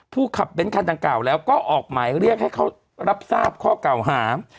ขับเบ้นคันดังกล่าวแล้วก็ออกหมายเรียกให้เขารับทราบข้อเก่าหา